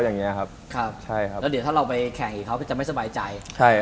แล้วเดี๋ยวถ้าเราไปแข่งกับเค้าจะไม่สบายใจ